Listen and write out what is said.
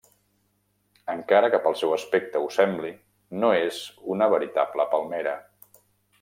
Encara que pel seu aspecte ho sembli, no és una veritable palmera.